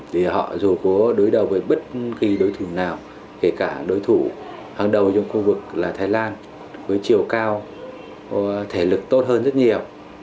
vì họ dù có đối đầu với bất kỳ đối thủ nào kể cả đối thủ hàng đầu trong khu vực là thái lan với chiều cao thể lực tốt hơn rất nhiều